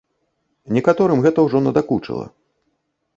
Некаторым гэта ўжо надакучыла.